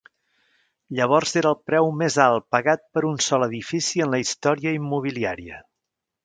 Llavors era el preu més alt pagat per un sol edifici en la història immobiliària.